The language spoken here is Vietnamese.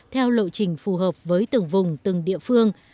theo lộ trình phù hợp với từng vùng từng địa phương